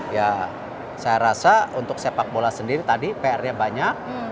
ya saya rasa untuk sepak bola sendiri tadi pr nya banyak